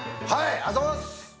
ありがとうございます！